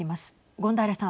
権平さん。